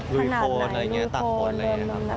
รุยโค้ดอะไรอย่างนี้รุยโค้ดเลยนะครับ